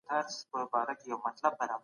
ولې خلګ په تاریخ کې وران حساب کوي؟